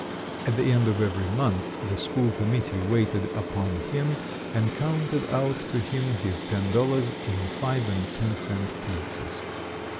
At the end of every month, the school committee waited upon him and counted out to him his ten dollars in five and ten cent pieces.